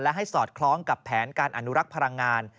และให้สอดคล้องกับแผนการอนุรักษ์พลังงาน